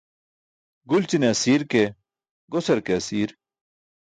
Gulćine asiir ke gose ke asiir.